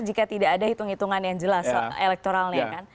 jika tidak ada hitung hitungan yang jelas elektoralnya kan